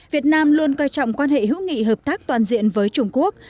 việt nam luôn coi trọng quan hệ hữu nghị hợp tác toàn diện với trung quốc